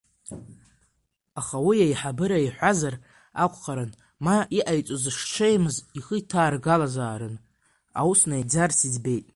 Аха уи иеиҳабыра иҳәазар акәхарын, ма иҟаиҵоз шҽеимз ихы иҭаргалазаарын, аус наигӡарц иӡбеит.